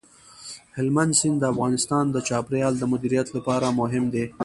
هلمند سیند د افغانستان د چاپیریال د مدیریت لپاره مهم دی.